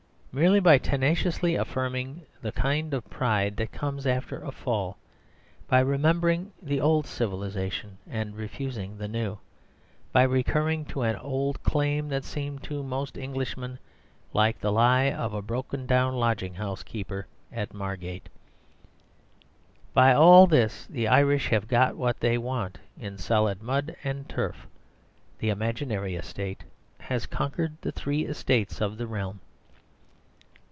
Merely by tenaciously affirming the kind of pride that comes after a fall, by remembering the old civilisation and refusing the new, by recurring to an old claim that seemed to most Englishmen like the lie of a broken down lodging house keeper at Margate by all this the Irish have got what they want, in solid mud and turf. That imaginary estate has conquered the Three Estates of the Realm.